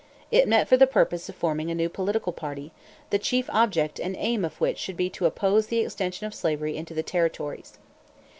It met for the purpose of forming a new political party, the chief object and aim of which should be to oppose the extension of slavery into the territories.